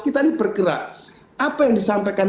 kita ini bergerak apa yang disampaikan